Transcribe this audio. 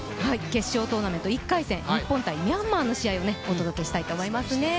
決勝トーナメント１回戦日本×ミャンマーの試合をお届けしていきたいと思います。